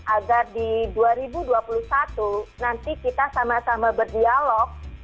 agar di dua ribu dua puluh satu nanti kita sama sama berdialog